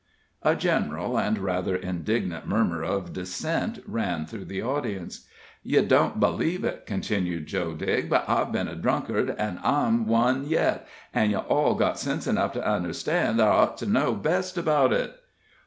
A general and rather indignant murmur of dissent ran through the audience. "Ye don't believe it," continued Joe Digg, "but I've been a drunkard, an' I'm one yet, an' ye all got sense enough to understan' that I ort to know best about it."